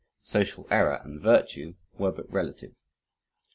Social error and virtue were but relative.